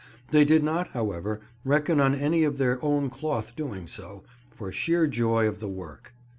They did not, however, reckon on any of their own cloth doing so, for sheer joy of the work.